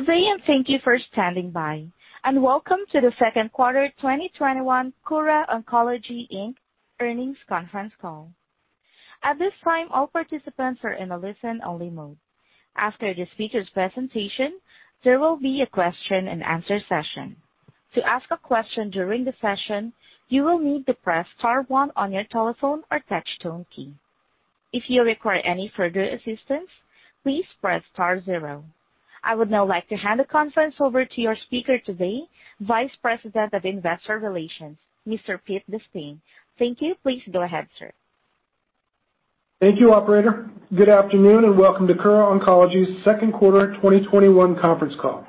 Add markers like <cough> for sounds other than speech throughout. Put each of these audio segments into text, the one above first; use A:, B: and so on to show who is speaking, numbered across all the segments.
A: Good day, and thank you for standing by. And welcome to the second quarter 2021 Kura Oncology Inc. earnings conference call. At this time, all participants are in a listen-only mode. After the speakers' presentation, there will be a question and answer session. To ask a question during the session, you will need to press star one on your telephone or touch tone key. If you require any further assistance, please press star zero. I would now like to hand the conference over to your speaker today, vice president of investor relations, Mr. Pete De Spain. Thank you. Please go ahead, sir.
B: Thank you, operator. Good afternoon, and welcome to Kura Oncology's second quarter 2021 conference call.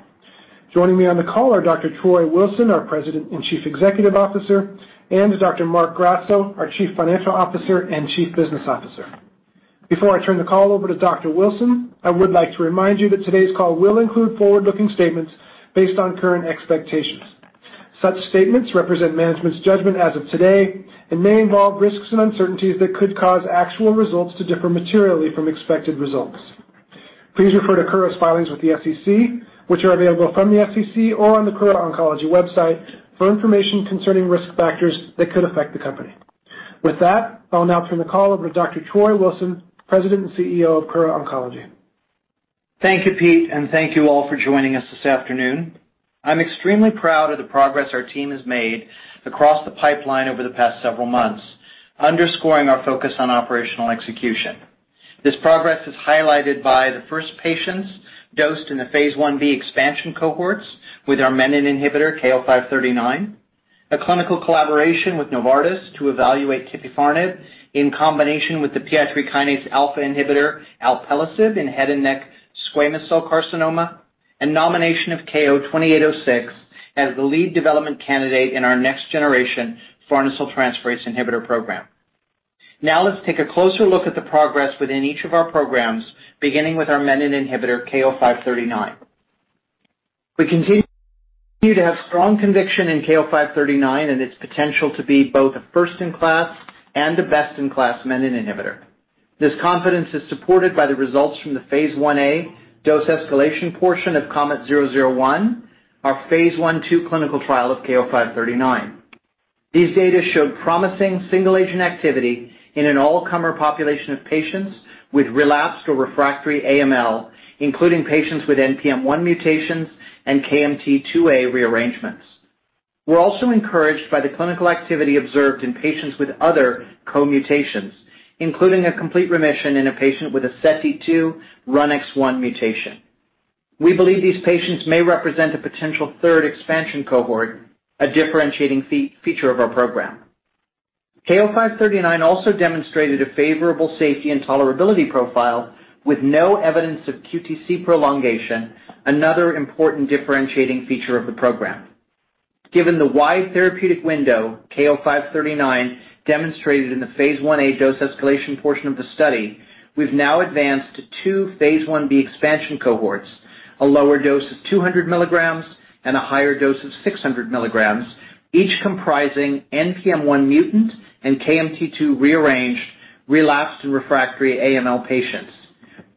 B: Joining me on the call are Dr. Troy Wilson, our President and Chief Executive Officer, and Dr. Marc Grasso, our Chief Financial Officer and Chief Business Officer. Before I turn the call over to Dr. Wilson, I would like to remind you that today's call will include forward-looking statements based on current expectations. Such statements represent management's judgment as of today and may involve risks and uncertainties that could cause actual results to differ materially from expected results. Please refer to Kura's filings with the SEC, which are available from the SEC or on the Kura Oncology website for information concerning risk factors that could affect the company. With that, I'll now turn the call over to Dr. Troy Wilson, President and CEO of Kura Oncology.
C: Thank you, Pete, and thank you all for joining us this afternoon. I'm extremely proud of the progress our team has made across the pipeline over the past several months, underscoring our focus on operational execution. This progress is highlighted by the first patients dosed in the phase I-B expansion cohorts with our menin inhibitor, KO-539, a clinical collaboration with Novartis to evaluate tipifarnib in combination with the PI3 kinase alpha inhibitor, alpelisib, in head and neck squamous cell carcinoma, and nomination of KO-2806 as the lead development candidate in our next-generation farnesyltransferase inhibitor program. Let's take a closer look at the progress within each of our programs, beginning with our menin inhibitor, KO-539. We continue to have strong conviction in KO-539 and its potential to be both a first-in-class and a best-in-class menin inhibitor. This confidence is supported by the results from the Phase I-A dose escalation portion of KOMET-001, our Phase I/II clinical trial of KO-539. These data showed promising single-agent activity in an all-comer population of patients with relapsed or refractory AML, including patients with NPM1 mutations and KMT2A rearrangements. We're also encouraged by the clinical activity observed in patients with other co-mutations, including a complete remission in a patient with a SETD2/RUNX1 mutation. We believe these patients may represent a potential third expansion cohort, a differentiating feature of our program. KO-539 also demonstrated a favorable safety and tolerability profile with no evidence of QTc prolongation, another important differentiating feature of the program. Given the wide therapeutic window KO-539 demonstrated in the phase I-A dose escalation portion of the study, we've now advanced to two phase I-B expansion cohorts, a lower dose of 200 milligrams and a higher dose of 600 milligrams, each comprising NPM1 mutant and KMT2 rearranged relapsed and refractory AML patients.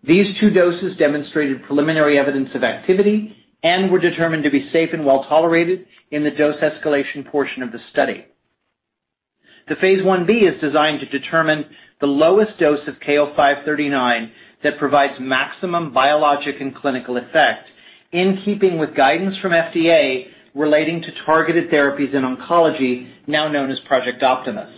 C: These two doses demonstrated preliminary evidence of activity and were determined to be safe and well-tolerated in the dose escalation portion of the study. The phase I-B is designed to determine the lowest dose of KO-539 that provides maximum biologic and clinical effect in keeping with guidance from FDA relating to targeted therapies in oncology, now known as Project Optimus.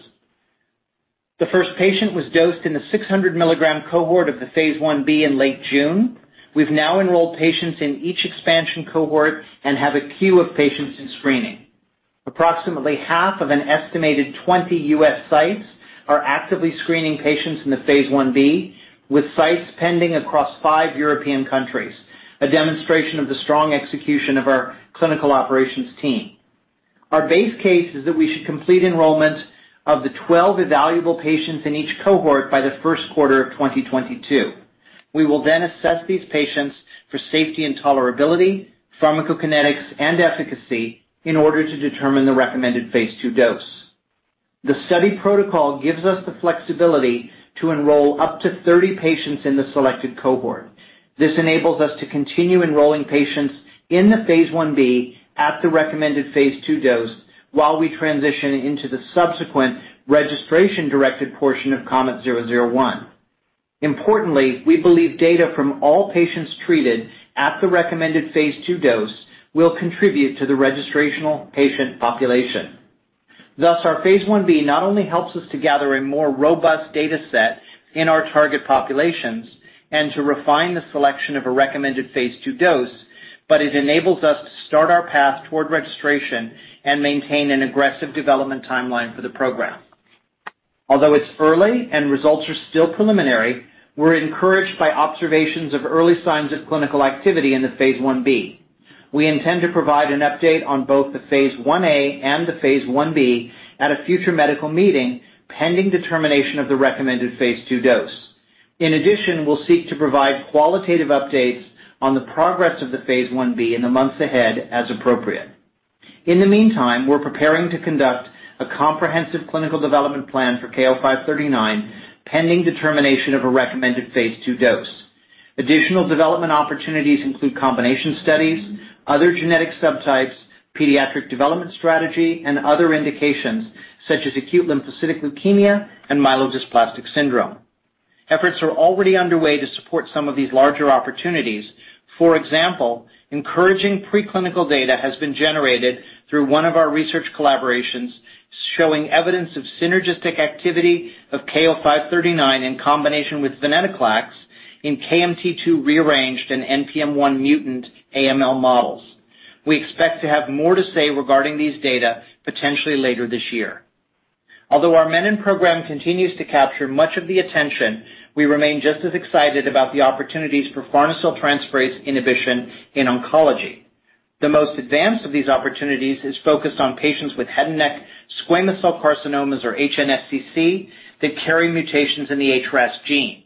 C: The first patient was dosed in the 600 milligram cohort of the phase I-B in late June. We've now enrolled patients in each expansion cohort and have a queue of patients in screening. Approximately half of an estimated 20 U.S. sites are actively screening patients in the phase I-B, with sites pending across five European countries, a demonstration of the strong execution of our clinical operations team. Our base case is that we should complete enrollment of the 12 evaluable patients in each cohort by the first quarter of 2022. We will assess these patients for safety and tolerability, pharmacokinetics, and efficacy in order to determine the recommended phase II dose. The study protocol gives us the flexibility to enroll up to 30 patients in the selected cohort. This enables us to continue enrolling patients in the phase I-B at the recommended phase II dose while we transition into the subsequent registration-directed portion of KOMET-001. Importantly, we believe data from all patients treated at the recommended phase II dose will contribute to the registrational patient population. Thus, our phase I-B not only helps us to gather a more robust data set in our target populations and to refine the selection of a recommended phase II dose, but it enables us to start our path toward registration and maintain an aggressive development timeline for the program. Although it's early and results are still preliminary, we're encouraged by observations of early signs of clinical activity in the phase I-B. We intend to provide an update on both the phase I-A and the phase I-B at a future medical meeting, pending determination of the recommended phase II dose. In addition, we'll seek to provide qualitative updates on the progress of the phase I-B in the months ahead as appropriate. In the meantime, we're preparing to conduct a comprehensive clinical development plan for KO-539, pending determination of a recommended phase II dose. Additional development opportunities include combination studies, other genetic subtypes, pediatric development strategy, and other indications such as acute lymphocytic leukemia and myelodysplastic syndrome. Efforts are already underway to support some of these larger opportunities. For example, encouraging preclinical data has been generated through one of our research collaborations, showing evidence of synergistic activity of KO-539 in combination with venetoclax in KMT2 rearranged and NPM1 mutant AML models. We expect to have more to say regarding these data potentially later this year. Although our Menin program continues to capture much of the attention, we remain just as excited about the opportunities for farnesyltransferase inhibition in oncology. The most advanced of these opportunities is focused on patients with head and neck squamous cell carcinomas, or HNSCC, that carry mutations in the HRAS gene.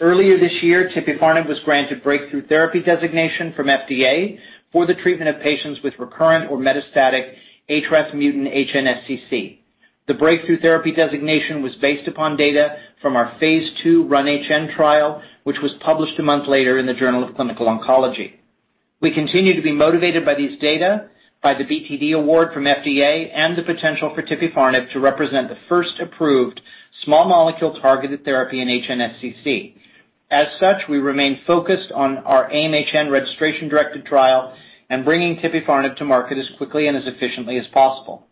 C: Earlier this year, tipifarnib was granted Breakthrough Therapy Designation from FDA for the treatment of patients with recurrent or metastatic HRAS-mutant HNSCC. The Breakthrough Therapy Designation was based upon data from our phase II RUN-HN trial, which was published a month later in the Journal of Clinical Oncology. We continue to be motivated by these data, by the BTD award from FDA, and the potential for tipifarnib to represent the first approved small molecule-targeted therapy in HNSCC. As such, we remain focused on our AIM-HN registration-directed trial and bringing tipifarnib to market as quickly and as efficiently as possible.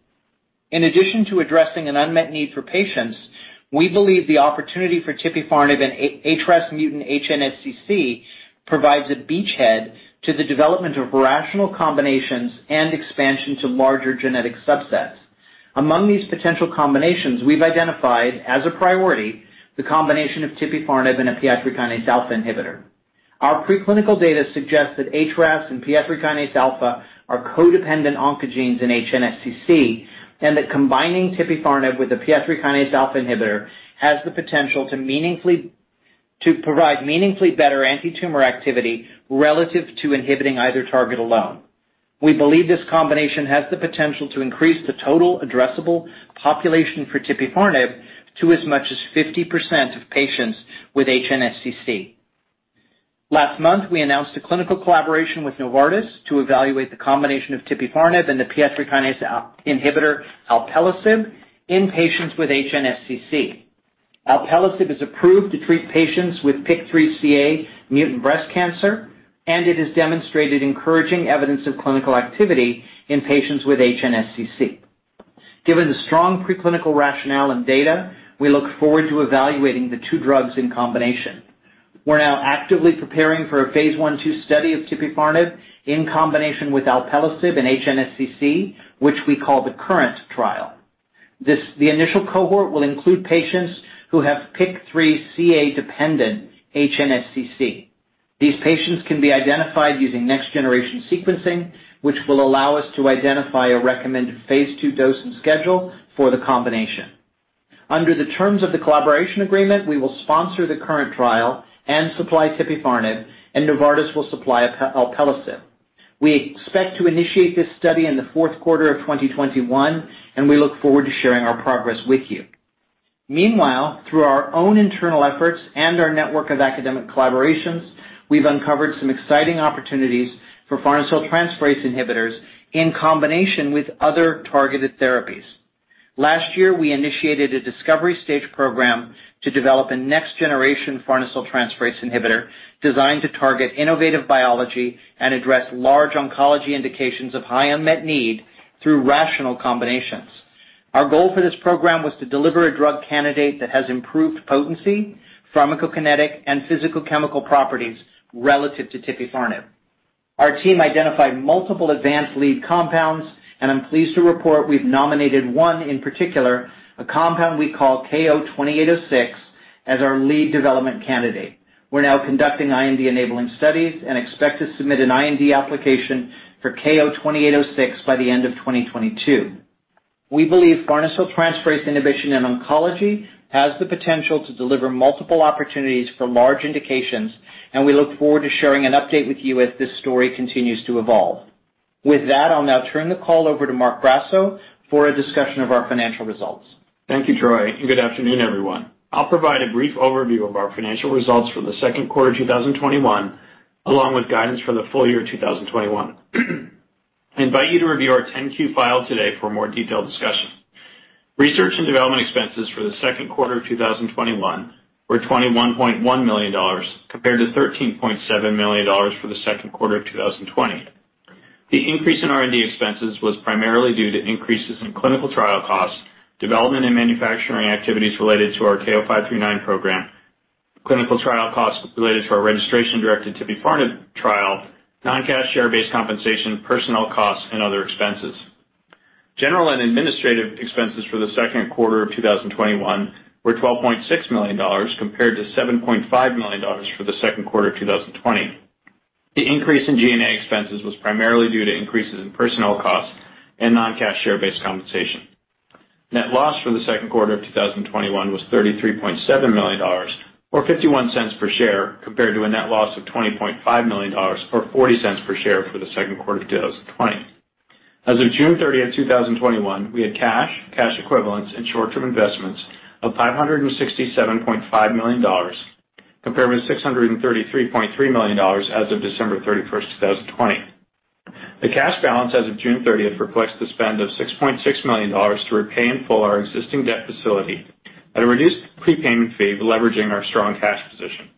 C: In addition to addressing an unmet need for patients, we believe the opportunity for tipifarnib in HRAS-mutant HNSCC provides a beachhead to the development of rational combinations and expansion to larger genetic subsets. Among these potential combinations, we've identified, as a priority, the combination of tipifarnib and a PI3 kinase alpha inhibitor. Our preclinical data suggests that HRAS and PI3 kinase alpha are codependent oncogenes in HNSCC, and that combining tipifarnib with a PI3 kinase alpha inhibitor has the potential to provide meaningfully better antitumor activity relative to inhibiting either target alone. We believe this combination has the potential to increase the total addressable population for tipifarnib to as much as 50% of patients with HNSCC. Last month, we announced a clinical collaboration with Novartis to evaluate the combination of tipifarnib and the PI3 kinase alpha inhibitor alpelisib in patients with HNSCC. Alpelisib is approved to treat patients with PIK3CA mutant breast cancer, and it has demonstrated encouraging evidence of clinical activity in patients with HNSCC. Given the strong preclinical rationale and data, we look forward to evaluating the two drugs in combination. We're now actively preparing for a phase I/II study of tipifarnib in combination with alpelisib in HNSCC, which we call the KURRENT trial. The initial cohort will include patients who have PIK3CA-dependent HNSCC. These patients can be identified using next-generation sequencing, which will allow us to identify a recommended phase II dose and schedule for the combination. Under the terms of the collaboration agreement, we will sponsor the KURRENT trial and supply tipifarnib, and Novartis will supply alpelisib. We expect to initiate this study in the fourth quarter of 2021, and we look forward to sharing our progress with you. Meanwhile, through our own internal efforts and our network of academic collaborations, we've uncovered some exciting opportunities for farnesyltransferase inhibitors in combination with other targeted therapies. Last year, we initiated a discovery stage program to develop a next-generation farnesyltransferase inhibitor designed to target innovative biology and address large oncology indications of high unmet need through rational combinations. Our goal for this program was to deliver a drug candidate that has improved potency, pharmacokinetic, and physical chemical properties relative to tipifarnib. Our team identified multiple advanced lead compounds, and I'm pleased to report we've nominated one in particular, a compound we call KO-2806, as our lead development candidate. We're now conducting IND-enabling studies and expect to submit an IND application for KO-2806 by the end of 2022. We believe farnesyltransferase inhibition in oncology has the potential to deliver multiple opportunities for large indications, and we look forward to sharing an update with you as this story continues to evolve. With that, I'll now turn the call over to Marc Grasso for a discussion of our financial results.
D: Thank you, Troy, good afternoon, everyone. I'll provide a brief overview of our financial results for the second quarter 2021, along with guidance for the full year 2021. I invite you to review our 10-Q file today for a more detailed discussion. Research and development expenses for the second quarter of 2021 were $21.1 million compared to $13.7 million for the second quarter of 2020. The increase in R&D expenses was primarily due to increases in clinical trial costs, development and manufacturing activities related to our KO-539 program, clinical trial costs related to our registration-directed tipifarnib trial, non-cash share-based compensation, personnel costs, and other expenses. General and administrative expenses for the second quarter of 2021 were $12.6 million, compared to $7.5 million for the second quarter of 2020. The increase in G&A expenses was primarily due to increases in personnel costs and non-cash share-based compensation. Net loss for the second quarter of 2021 was $33.7 million, or $0.51 per share, compared to a net loss of $20.5 million or $0.40 per share for the second quarter of 2020. As of June 30th, 2021, we had cash equivalents and short-term investments of $567.5 million, compared with $633.3 million as of December 31st, 2020. The cash balance as of June 30th reflects the spend of $6.6 million to repay in full our existing debt facility at a reduced prepayment fee, leveraging our strong cash position.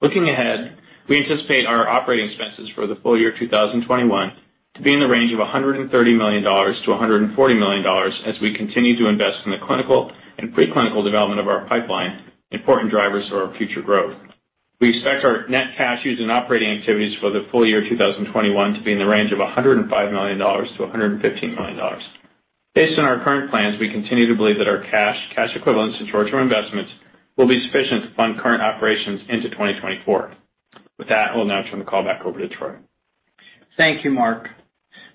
D: Looking ahead, we anticipate our operating expenses for the full year 2021 to be in the range of $130 million-$140 million as we continue to invest in the clinical and pre-clinical development of our pipeline, important drivers for our future growth. We expect our net cash used in operating activities for the full year 2021 to be in the range of $105 million-$115 million. Based on our current plans, we continue to believe that our cash equivalents, and short-term investments will be sufficient to fund current operations into 2024. With that, I will now turn the call back over to Troy.
C: Thank you, Marc.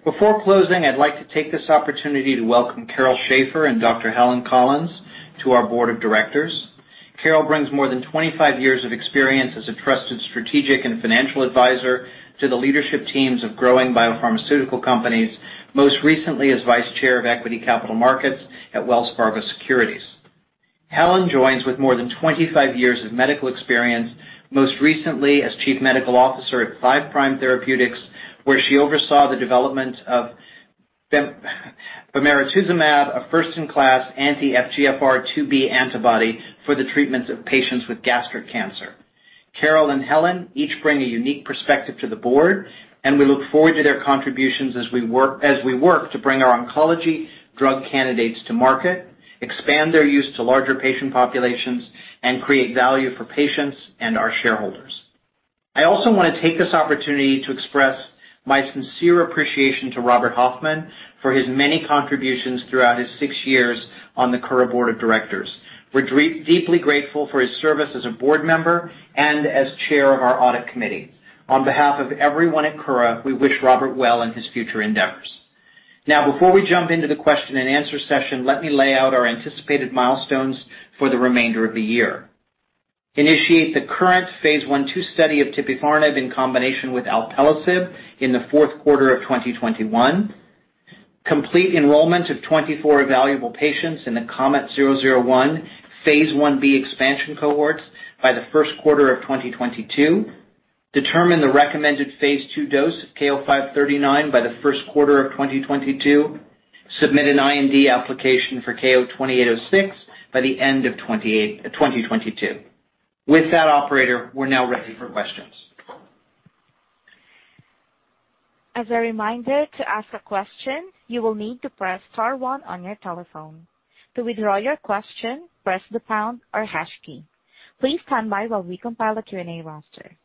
C: Before closing, I'd like to take this opportunity to welcome Carol Schafer and Dr. Helen Collins to our Board of Directors. Carol brings more than 25 years of experience as a trusted strategic and financial advisor to the leadership teams of growing biopharmaceutical companies, most recently as Vice Chair of Equity Capital Markets at Wells Fargo Securities. Helen joins with more than 25 years of medical experience, most recently as Chief Medical Officer at Five Prime Therapeutics, where she oversaw the development of bemarituzumab, a first-in-class anti-FGFR2b antibody for the treatments of patients with gastric cancer. Carol and Helen each bring a unique perspective to the board, and we look forward to their contributions as we work to bring our oncology drug candidates to market, expand their use to larger patient populations, and create value for patients and our shareholders. I also want to take this opportunity to express my sincere appreciation to Robert Hoffman for his many contributions throughout his six years on the Kura Board of Directors. We're deeply grateful for his service as a board member and as chair of our Audit Committee. On behalf of everyone at Kura, we wish Robert well in his future endeavors. Now, before we jump into the question and answer session, let me lay out our anticipated milestones for the remainder of the year. Initiate the KURRENT Phase I/II study of tipifarnib in combination with alpelisib in the fourth quarter of 2021. Complete enrollment of 24 evaluable patients in the KOMET-001 Phase I-B expansion cohorts by the first quarter of 2022. Determine the recommended Phase II dose of KO-539 by the first quarter of 2022. Submit an IND application for KO-2806 by the end of 2022. With that, operator, we're now ready for questions.
A: As a reminder to ask a question, you will need to press star one on your telephone. To withdraw your question, press the pound or hash key. Please stand by when we compile the Q&A roster.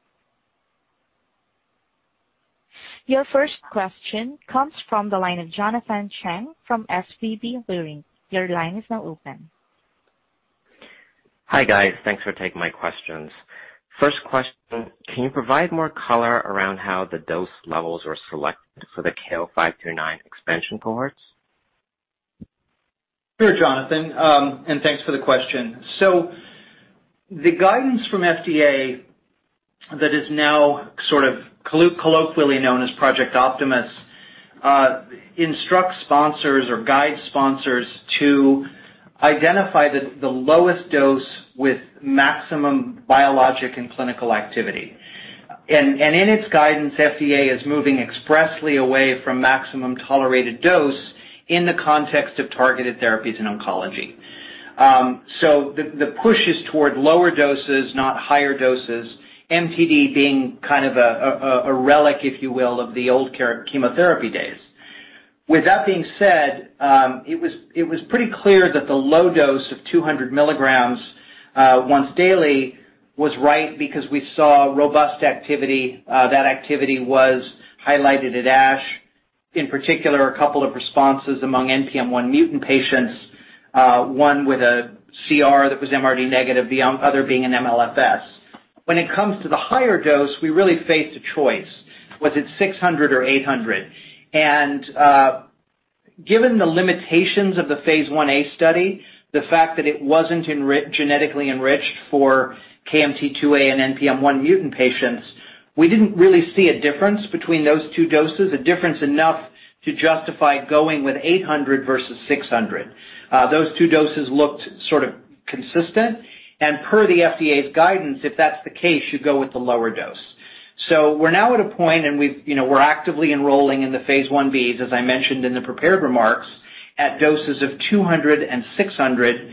A: Your first question comes from the line of Jonathan Chang from SVB Leerink. Your line is now open.
E: Hi, guys. Thanks for taking my questions. First question, can you provide more color around how the dose levels were selected for the KO-539 expansion cohorts?
C: Sure, Jonathan, thanks for the question. The guidance from FDA that is now sort of colloquially known as Project Optimus, instructs sponsors or guides sponsors to identify the lowest dose with maximum biologic and clinical activity. In its guidance, FDA is moving expressly away from maximum tolerated dose in the context of targeted therapies in oncology. The push is toward lower doses, not higher doses, MTD being kind of a relic, if you will, of the old chemotherapy days. With that being said, it was pretty clear that the low dose of 200 milligrams once daily was right because we saw robust activity. That activity was highlighted at ASH. In particular, a couple of responses among NPM1 mutant patients, one with a CR that was MRD negative, the other being an MLFS. When it comes to the higher dose, we really faced a choice. Was it 600 or 800? Given the limitations of the Phase I-A study, the fact that it wasn't genetically enriched for KMT2A and NPM1 mutant patients, we didn't really see a difference between those two doses, a difference enough to justify going with 800 versus 600. Those two doses looked sort of consistent. Per the FDA's guidance, if that's the case, you go with the lower dose. We're now at a point and we're actively enrolling in the Phase I-Bs, as I mentioned in the prepared remarks, at doses of 200 and 600.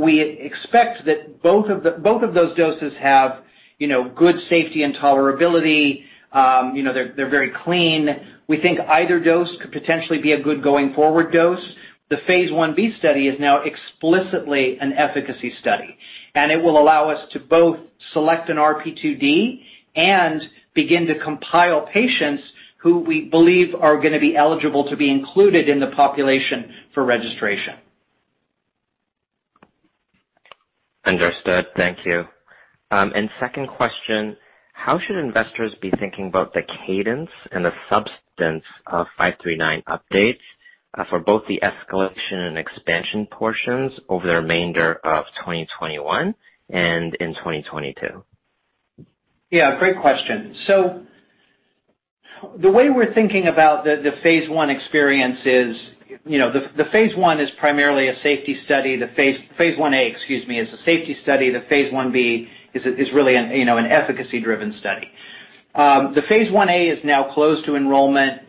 C: We expect that both of those doses have good safety and tolerability. They're very clean. We think either dose could potentially be a good going forward dose. The phase I-B study is now explicitly an efficacy study, and it will allow us to both select an RP2D and begin to compile patients who we believe are gonna be eligible to be included in the population for registration.
E: Understood. Thank you. Second question, how should investors be thinking about the cadence and the substance of KO-539 updates for both the escalation and expansion portions over the remainder of 2021 and in 2022?
C: Yeah, great question. The way we're thinking about the phase I experience is, the phase I-A, excuse me, is a safety study. The phase I-B is really an efficacy-driven study. The phase I-A is now closed to enrollment.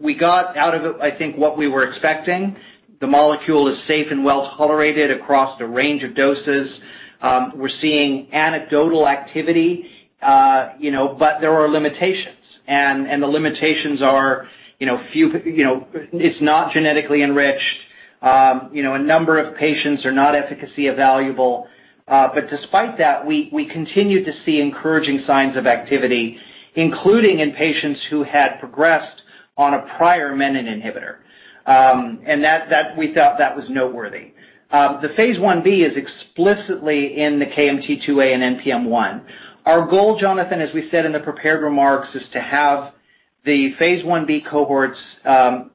C: We got out of it, I think, what we were expecting. The molecule is safe and well-tolerated across the range of doses. We're seeing anecdotal activity, but there are limitations. The limitations are, it's not genetically enriched. A number of patients are not efficacy evaluable. Despite that, we continue to see encouraging signs of activity, including in patients who had progressed on a prior menin inhibitor. We thought that was noteworthy. The phase I-B is explicitly in the KMT2A and NPM1. Our goal, Jonathan, as we said in the prepared remarks, is to have the phase I-B cohorts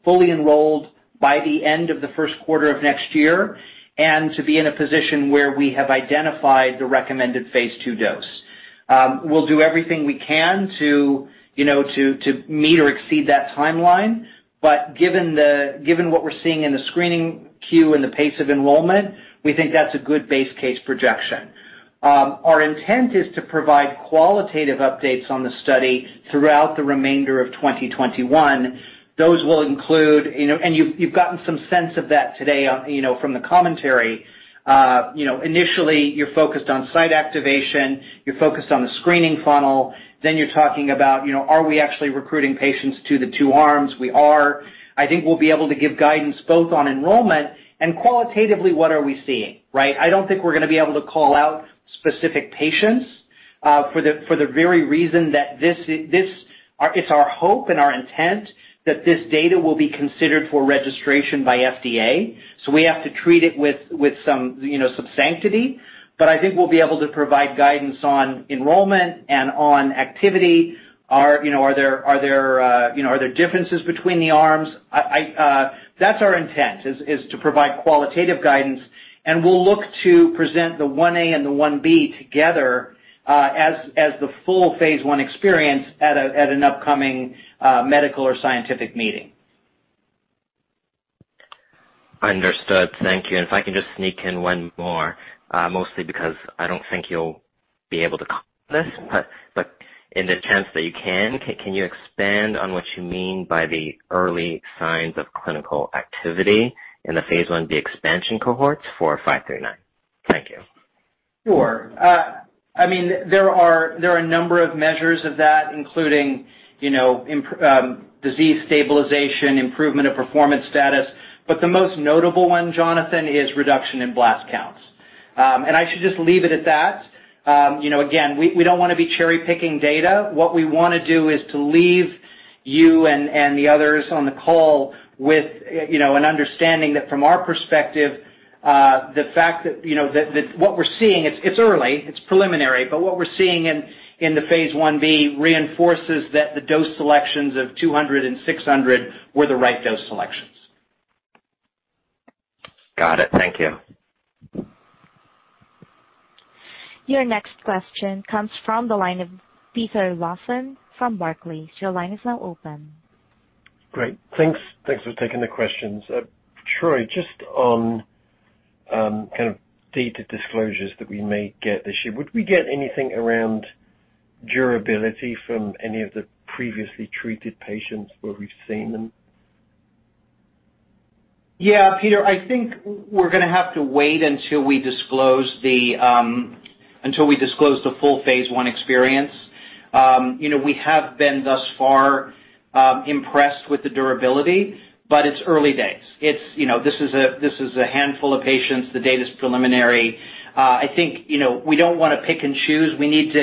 C: fully enrolled by the end of the first quarter of next year, and to be in a position where we have identified the recommended phase II dose. We'll do everything we can to meet or exceed that timeline. Given what we're seeing in the screening queue and the pace of enrollment, we think that's a good base case projection. Our intent is to provide qualitative updates on the study throughout the remainder of 2021. You've gotten some sense of that today from the commentary. Initially, you're focused on site activation. You're focused on the screening funnel. You're talking about, are we actually recruiting patients to the two arms? We are. I think we'll be able to give guidance both on enrollment and qualitatively, what are we seeing, right? I don't think we're going to be able to call out specific patients for the very reason that it's our hope and our intent that this data will be considered for registration by FDA. We have to treat it with some sanctity. I think we'll be able to provide guidance on enrollment and on activity. Are there differences between the arms? That's our intent, is to provide qualitative guidance, and we'll look to present the Phase I-A and the Phase I-B together as the full Phase I experience at an upcoming medical or scientific meeting.
E: Understood. Thank you. If I can just sneak in one more, mostly because I don't think you'll be able to <audio distortion> this, but in the chance that you can, can you expand on what you mean by the early signs of clinical activity in the Phase I-B expansion cohorts for 539? Thank you.
C: Sure. I mean there are a number of measures of that, including disease stabilization, improvement of performance status. But the most notable one, Jonathan, is reduction in blast counts. And I should just leave it at that. Again, we don't want to be cherry picking data. What we want to do is to leave you and the others on the call with an understanding that from our perspective, the fact that what we're seeing, it's early, it's preliminary. But what we're seeing in the Phase I-B reinforces that the dose selections of 200 and 600 were the right dose selections.
E: Got it, thank you.
A: Your next question comes from the line of Peter Lawson from Barclays.
F: Thanks for taking the questions. Troy, just on kind of data disclosures that we may get this year, would we get anything around durability from any of the previously treated patients where we've seen them?
C: Peter, I think we're going to have to wait until we disclose the full Phase I experience. We have been thus far impressed with the durability, but it's early days. This is a handful of patients. The data's preliminary. I think, we don't want to pick and choose. We need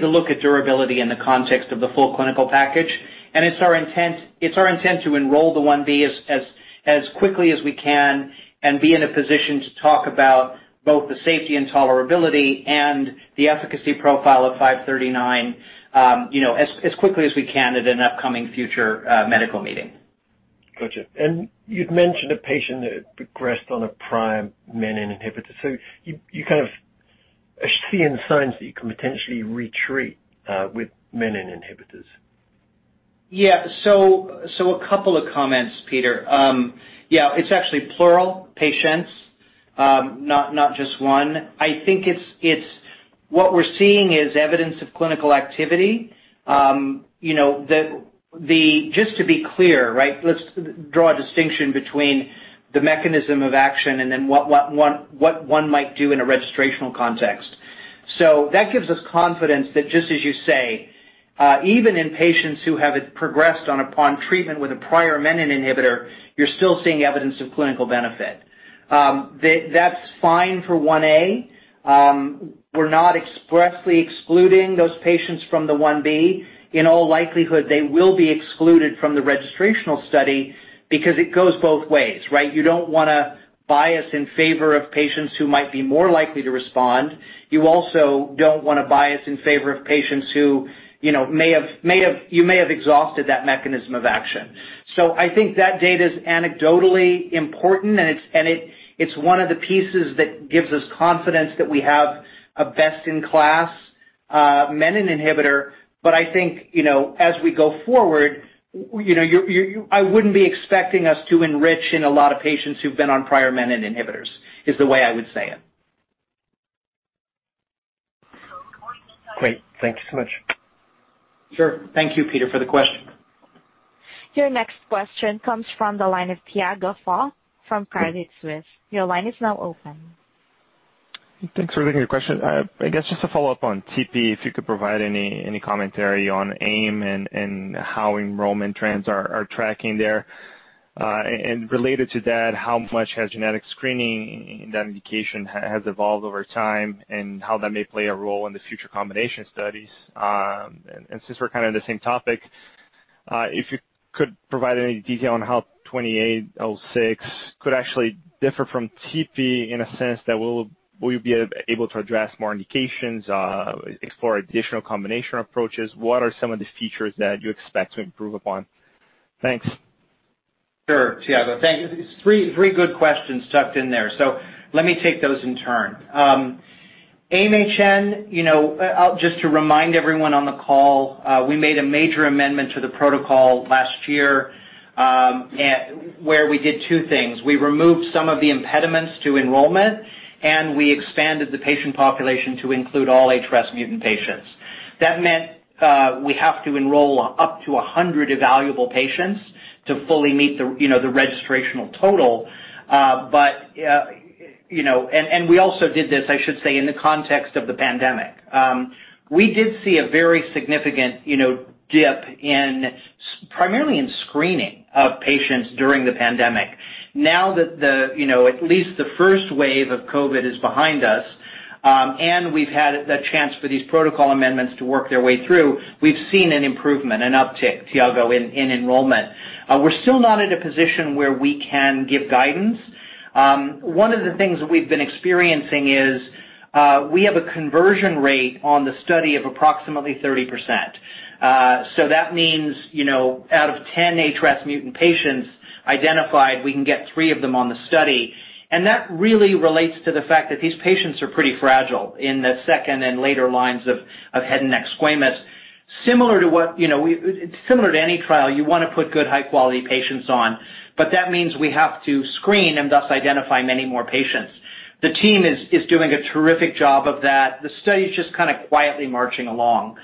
C: to look at durability in the context of the full clinical package, and it's our intent to enroll the Phase I-B as quickly as we can and be in a position to talk about both the safety and tolerability and the efficacy profile of 539 as quickly as we can at an upcoming future medical meeting.
F: Got you. You'd mentioned a patient that progressed on a prior menin inhibitor, so you kind of are seeing signs that you can potentially re-treat with menin inhibitors.
C: Yeah. A couple of comments, Peter. Yeah, it's actually plural, patients, not just one. I think what we're seeing is evidence of clinical activity. Just to be clear, right, let's draw a distinction between the mechanism of action and then what one might do in a registrational context. That gives us confidence that, just as you say, even in patients who have progressed upon treatment with a prior menin inhibitor, you're still seeing evidence of clinical benefit. That's fine for phase Ia. We're not expressly excluding those patients from the phase Ib. In all likelihood, they will be excluded from the registrational study. It goes both ways, right? You don't want to bias in favor of patients who might be more likely to respond. You also don't want to bias in favor of patients who you may have exhausted that mechanism of action. I think that data's anecdotally important, and it's one of the pieces that gives us confidence that we have a best-in-class menin inhibitor. I think, as we go forward, I wouldn't be expecting us to enrich in a lot of patients who've been on prior menin inhibitors, is the way I would say it.
F: Great. Thank you so much.
C: Sure. Thank you, Peter, for the question.
A: Your next question comes from the line of Tiago Fauth from Credit Suisse. Your line is now open.
G: Thanks for taking the question. I guess just to follow up on tipi, if you could provide any commentary on AIM and how enrollment trends are tracking there. Related to that, how much has genetic screening in that indication has evolved over time, and how that may play a role in the future combination studies. Since we're kind of in the same topic, if you could provide any detail on how 2806 could actually differ from tipi in a sense that will be able to address more indications, explore additional combination approaches. What are some of the features that you expect to improve upon? Thanks.
C: Sure, Tiago. Thank you. Three good questions tucked in there. Let me take those in turn. AIM-HN, just to remind everyone on the call, we made a major amendment to the protocol last year, where we did two things. We removed some of the impediments to enrollment, and we expanded the patient population to include all HRAS mutant patients. That meant we have to enroll up to 100 evaluable patients to fully meet the registrational total. We also did this, I should say, in the context of the pandemic. We did see a very significant dip primarily in screening of patients during the pandemic. Now that at least the first wave of COVID is behind us, and we've had the chance for these protocol amendments to work their way through, we've seen an improvement, an uptick, Tiago, in enrollment. We're still not at a position where we can give guidance. One of the things that we've been experiencing is we have a conversion rate on the study of approximately 30%. That means, out of 10 HRAS mutant patients identified, we can get three of them on the study. That really relates to the fact that these patients are pretty fragile in the second and later lines of head and neck squamous. Similar to any trial, you want to put good, high-quality patients on, but that means we have to screen and thus identify many more patients. The team is doing a terrific job of that. The study's just kind of quietly marching along.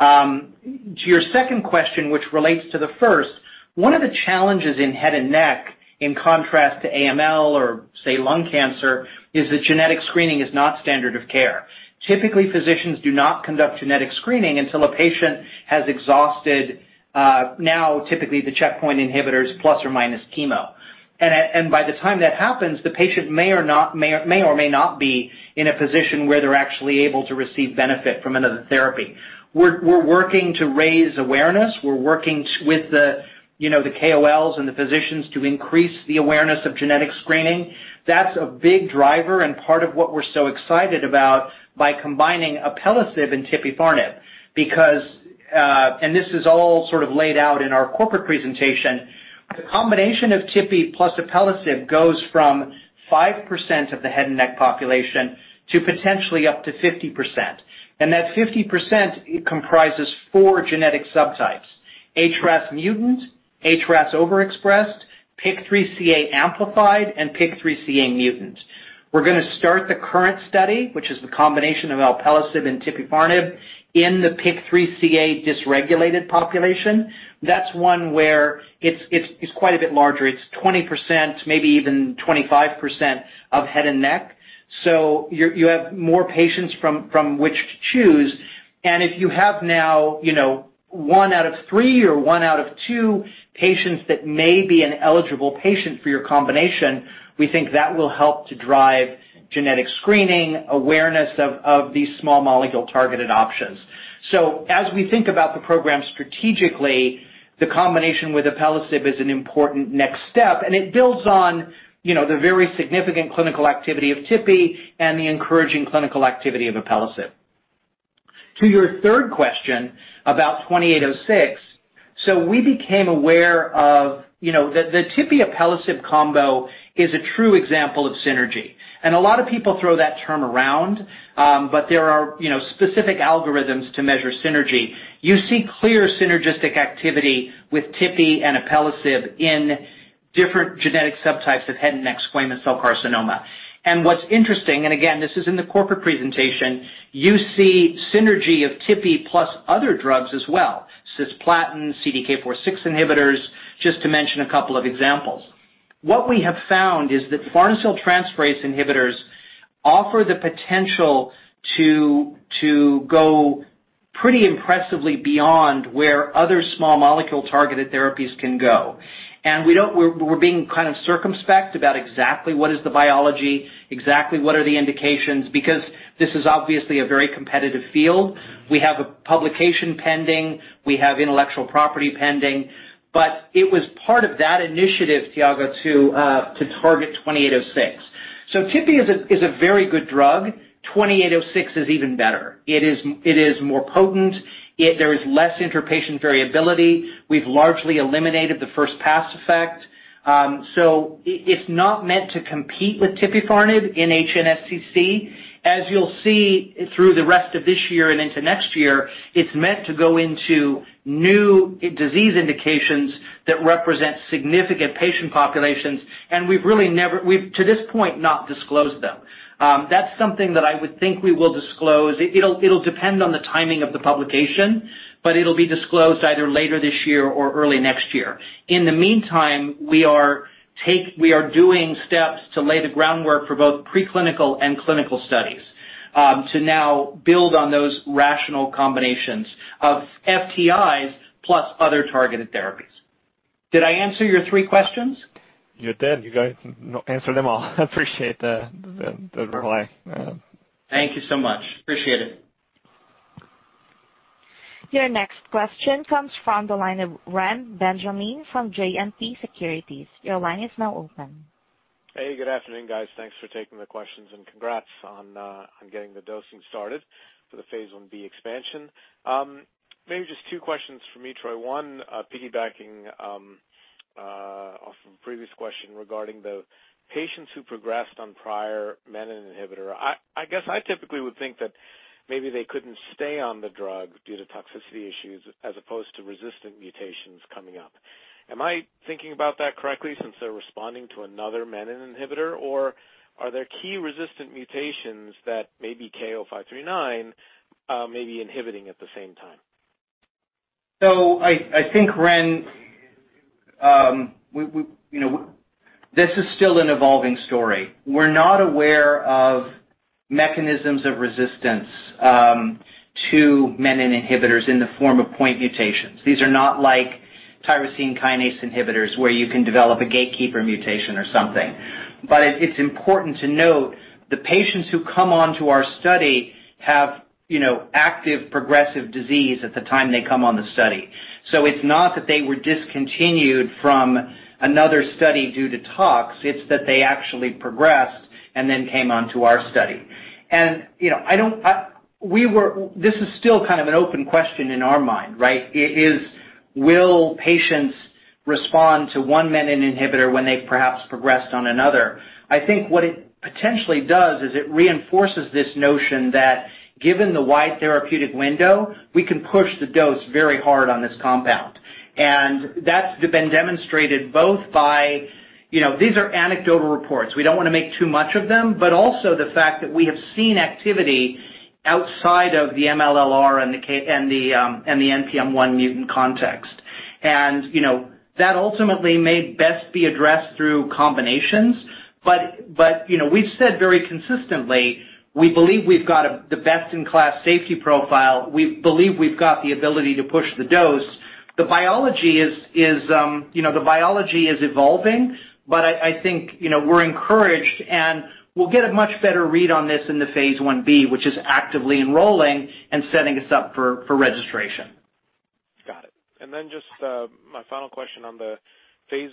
C: To your second question, which relates to the first, one of the challenges in head and neck, in contrast to AML or, say, lung cancer, is that genetic screening is not standard of care. Typically, physicians do not conduct genetic screening until a patient has exhausted, now, typically, the checkpoint inhibitors plus or minus chemo. By the time that happens, the patient may or may not be in a position where they're actually able to receive benefit from another therapy. We're working to raise awareness. We're working with the KOLs and the physicians to increase the awareness of genetic screening. That's a big driver and part of what we're so excited about by combining alpelisib and tipifarnib. This is all sort of laid out in our corporate presentation. The combination of tipi plus alpelisib goes from 5% of the head and neck population to potentially up to 50%. That 50% comprises four genetic subtypes, HRAS mutant, HRAS overexpressed, PIK3CA amplified, and PIK3CA mutant. We're going to start the KURRENT study, which is the combination of alpelisib and tipifarnib in the PIK3CA dysregulated population. That's one where it's quite a bit larger. It's 20%, maybe even 25% of head and neck, so you have more patients from which to choose. If you have now one out of three or one out of two patients that may be an eligible patient for your combination, we think that will help to drive genetic screening, awareness of these small molecule-targeted options. As we think about the program strategically, the combination with alpelisib is an important next step, and it builds on the very significant clinical activity of tipi and the encouraging clinical activity of alpelisib. To your third question about 2806, so we became aware of the tipi/alpelisib combo is a true example of synergy. A lot of people throw that term around, but there are specific algorithms to measure synergy. You see clear synergistic activity with tipi and alpelisib in different genetic subtypes of head and neck squamous cell carcinoma. What's interesting, and again, this is in the corporate presentation, you see synergy of tipi plus other drugs as well, cisplatin, CDK4/6 inhibitors, just to mention a couple of examples. What we have found is that farnesyltransferase inhibitors offer the potential to go pretty impressively beyond where other small molecule-targeted therapies can go. We're being kind of circumspect about exactly what is the biology, exactly what are the indications, because this is obviously a very competitive field. We have a publication pending. We have intellectual property pending. It was part of that initiative, Tiago, to target 2806. Tipi is a very good drug. 2806 is even better. It is more potent. There is less inter-patient variability. We've largely eliminated the first pass effect. It's not meant to compete with tipifarnib in HNSCC. As you'll see through the rest of this year and into next year, it's meant to go into new disease indications that represent significant patient populations, and we've to this point, not disclosed them. That's something that I would think we will disclose. It'll depend on the timing of the publication, it'll be disclosed either later this year or early next year. In the meantime, we are doing steps to lay the groundwork for both preclinical and clinical studies, to now build on those rational combinations of FTIs plus other targeted therapies. Did I answer your three questions?
G: You did. You answered them all. I appreciate the reply. Yeah.
C: Thank you so much. Appreciate it.
A: Your next question comes from the line of Reni Benjamin from JMP Securities. Your line is now open.
H: Hey, good afternoon, guys. Thanks for taking the questions. Congrats on getting the dosing started for the phase I-B expansion. Maybe just two questions from me, Troy. One, piggybacking off a previous question regarding the patients who progressed on prior menin inhibitor. I guess I typically would think that maybe they couldn't stay on the drug due to toxicity issues as opposed to resistant mutations coming up. Am I thinking about that correctly since they're responding to another menin inhibitor, or are there key resistant mutations that maybe KO-539 may be inhibiting at the same time?
C: I think, Reni, this is still an evolving story. We're not aware of mechanisms of resistance to menin inhibitors in the form of point mutations. These are not like tyrosine kinase inhibitors where you can develop a gatekeeper mutation or something. It's important to note the patients who come onto our study have active progressive disease at the time they come on the study. It's not that they were discontinued from another study due to tox, it's that they actually progressed and then came onto our study. This is still kind of an open question in our mind, right? Is will patients respond to one menin inhibitor when they perhaps progressed on another? I think what it potentially does is it reinforces this notion that given the wide therapeutic window, we can push the dose very hard on this compound. That's been demonstrated both by These are anecdotal reports. We don't want to make too much of them, but also the fact that we have seen activity outside of the MLL-r and the NPM1 mutant context. That ultimately may best be addressed through combinations. We've said very consistently, we believe we've got the best-in-class safety profile. We believe we've got the ability to push the dose. The biology is evolving, but I think we're encouraged, and we'll get a much better read on this in the phase I-B, which is actively enrolling and setting us up for registration.
H: Got it. Just my final question on the phase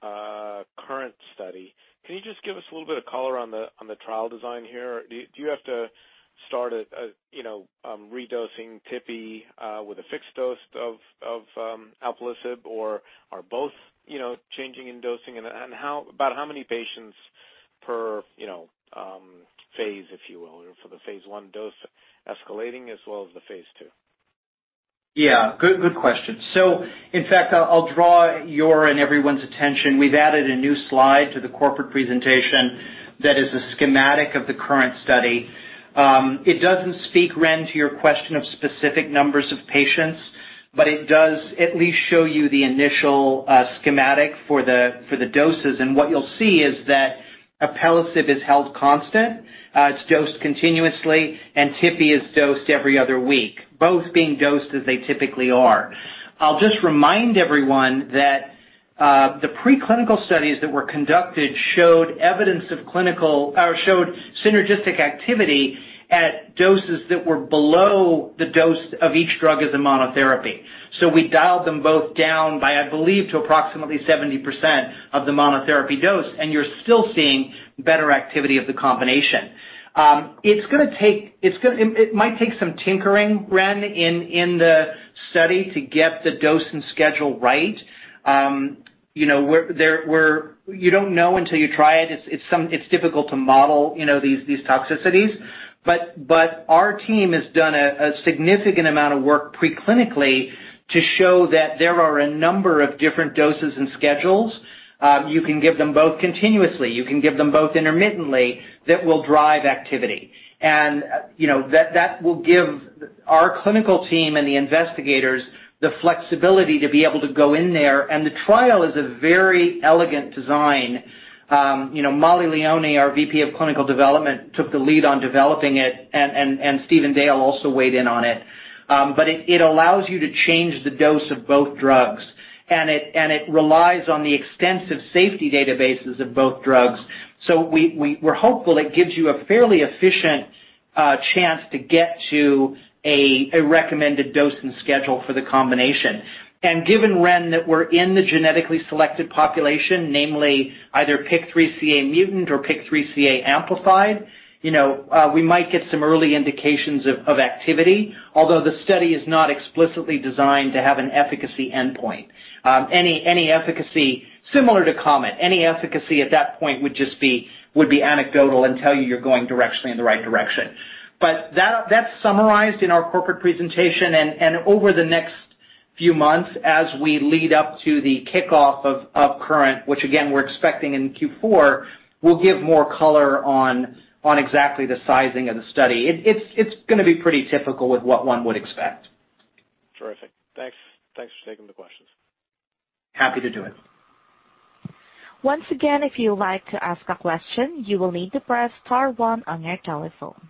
H: I KURRENT study. Can you just give us a little bit of color on the trial design here? Do you have to start re-dosing tipi with a fixed dose of alpelisib, or are both changing in dosing? About how many patients per phase, if you will, for the phase I dose escalating as well as the phase II?
C: Yeah. Good question. In fact, I'll draw your and everyone's attention. We've added a new slide to the corporate presentation that is a schematic of the current study. It doesn't speak, Reni, to your question of specific numbers of patients, but it does at least show you the initial schematic for the doses. What you'll see is that alpelisib is held constant, it's dosed continuously, and tipi is dosed every other week, both being dosed as they typically are. I'll just remind everyone that the preclinical studies that were conducted showed synergistic activity at doses that were below the dose of each drug as a monotherapy. We dialed them both down by, I believe, to approximately 70% of the monotherapy dose, and you're still seeing better activity of the combination. It might take some tinkering, Reni, in the study to get the dose and schedule right. You don't know until you try it. It's difficult to model these toxicities. Our team has done a significant amount of work preclinically to show that there are a number of different doses and schedules. You can give them both continuously, you can give them both intermittently, that will drive activity. That will give our clinical team and the investigators the flexibility to be able to go in there. The trial is a very elegant design. Mollie Leoni, our VP of Clinical Development, took the lead on developing it, and Stephen Dale also weighed in on it. It allows you to change the dose of both drugs, and it relies on the extensive safety databases of both drugs. We're hopeful it gives you a fairly efficient a chance to get to a recommended dosing schedule for the combination. Given, Reni, that we're in the genetically selected population, namely either PIK3CA mutant or PIK3CA amplified, we might get some early indications of activity, although the study is not explicitly designed to have an efficacy endpoint. Similar to KOMET, any efficacy at that point would just be anecdotal and tell you you're going directly in the right direction. That's summarized in our corporate presentation, and over the next few months, as we lead up to the kickoff of KURRENT, which again, we're expecting in Q4, we'll give more color on exactly the sizing of the study. It's going to be pretty typical with what one would expect.
H: Terrific. Thanks for taking the questions.
C: Happy to do it.
A: Once again, if you would like to ask a question, you will need to press star one on your telephone.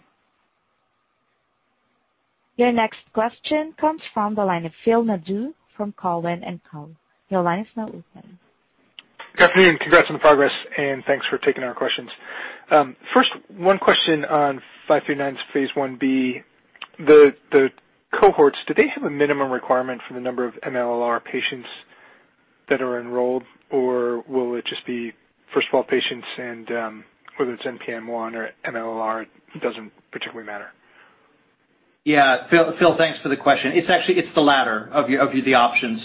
A: Your next question comes from the line of Phil Nadeau from Cowen and Co. Your line is now open.
I: Good afternoon, congrats on the progress, and thanks for taking our questions. First, one question on KO-539's Phase I-B. The cohorts, do they have a minimum requirement for the number of MLL-r patients that are enrolled, or will it just be first of all patients, and whether it's NPM1 or MLL-r, it doesn't particularly matter?
C: Yeah. Phil, thanks for the question. It's actually the latter of the options.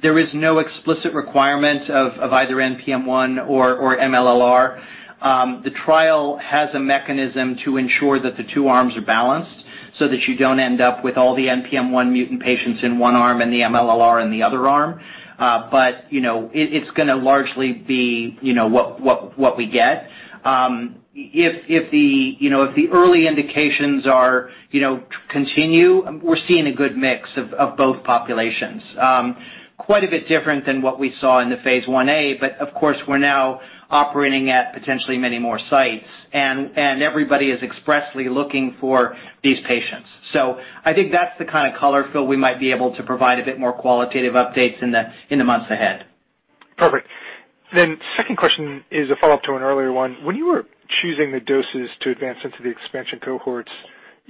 C: There is no explicit requirement of either NPM1 or MLL-r. The trial has a mechanism to ensure that the two arms are balanced so that you don't end up with all the NPM1 mutant patients in one arm and the MLL-r in the other arm. It's going to largely be what we get. If the early indications continue, we're seeing a good mix of both populations. Quite a bit different than what we saw in the Phase I-A, of course, we're now operating at potentially many more sites, and everybody is expressly looking for these patients. I think that's the kind of color, Phil, we might be able to provide a bit more qualitative updates in the months ahead.
I: Perfect. Second question is a follow-up to an earlier one. When you were choosing the doses to advance into the expansion cohorts,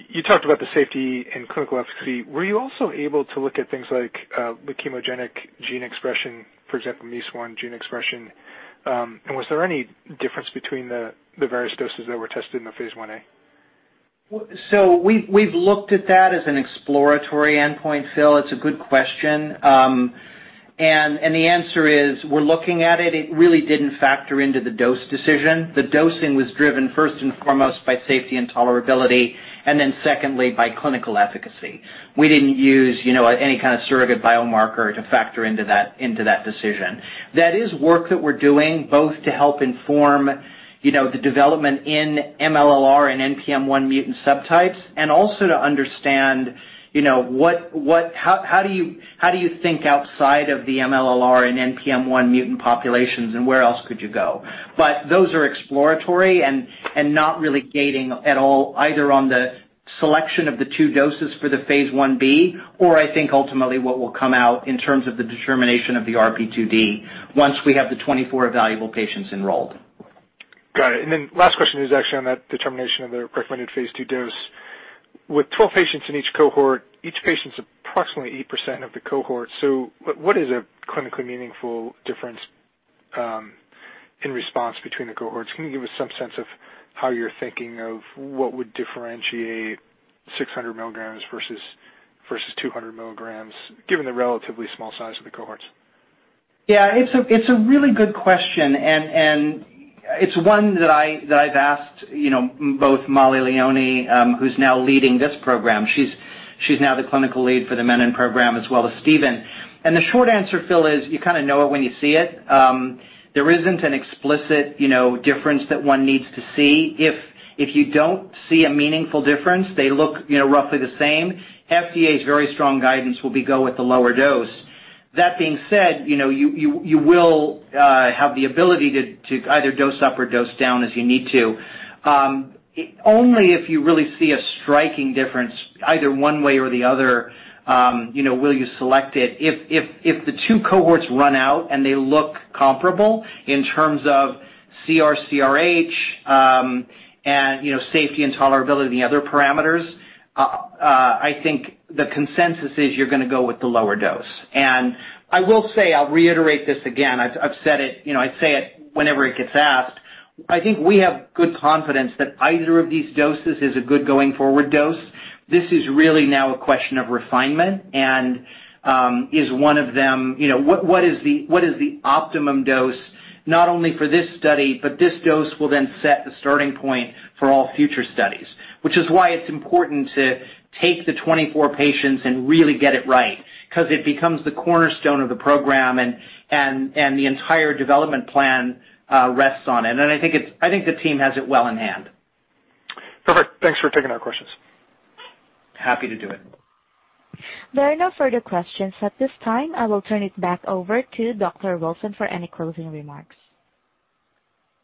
I: you talked about the safety and clinical efficacy. Were you also able to look at things like the leukemogenic gene expression, for example, MEIS1 gene expression, and was there any difference between the various doses that were tested in the phase I-A?
C: We've looked at that as an exploratory endpoint, Phil. It's a good question. The answer is we're looking at it. It really didn't factor into the dose decision. The dosing was driven first and foremost by safety and tolerability, and then secondly, by clinical efficacy. We didn't use any kind of surrogate biomarker to factor into that decision. That is work that we're doing both to help inform the development in MLL-r and NPM1 mutant subtypes and also to understand how do you think outside of the MLL-r and NPM1 mutant populations, and where else could you go? Those are exploratory and not really gating at all, either on the selection of the two doses for the phase I-B or I think ultimately what will come out in terms of the determination of the RP2D once we have the 24 evaluable patients enrolled.
I: Got it. Last question is actually on that determination of the recommended Phase II dose. With 12 patients in each cohort, each patient's approximately 8% of the cohort, what is a clinically meaningful difference in response between the cohorts? Can you give us some sense of how you're thinking of what would differentiate 600 milligrams versus 200 milligrams, given the relatively small size of the cohorts?
C: It's a really good question, and it's one that I've asked both Mollie Leoni, who's now leading this program. She's now the clinical lead for the Menin program, as well as Stephen Dale. The short answer, Phil Nadeau, is you kind of know it when you see it. There isn't an explicit difference that one needs to see. If you don't see a meaningful difference, they look roughly the same, FDA's very strong guidance will be go with the lower dose. That being said, you will have the ability to either dose up or dose down as you need to. Only if you really see a striking difference, either one way or the other, will you select it. If the two cohorts run out and they look comparable in terms of CR, CRh, and safety and tolerability and the other parameters, I think the consensus is you're going to go with the lower dose. I will say, I'll reiterate this again. I say it whenever it gets asked. I think we have good confidence that either of these doses is a good going forward dose. This is really now a question of refinement and what is the optimum dose, not only for this study, but this dose will then set the starting point for all future studies, which is why it's important to take the 24 patients and really get it right because it becomes the cornerstone of the program, and the entire development plan rests on it. I think the team has it well in hand.
I: Perfect. Thanks for taking our questions.
C: Happy to do it.
A: There are no further questions at this time. I will turn it back over to Dr. Wilson for any closing remarks.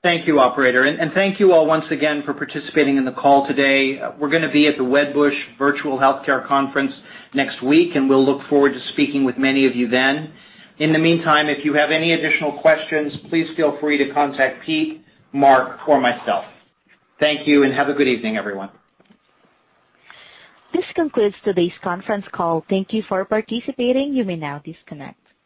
C: Thank you, operator. Thank you all once again for participating in the call today. We're going to be at the Wedbush PacGrow Healthcare Conference next week, and we'll look forward to speaking with many of you then. In the meantime, if you have any additional questions, please feel free to contact Pete, Marc, or myself. Thank you and have a good evening, everyone.
A: This concludes today's conference call. Thank you for participating. You may now disconnect.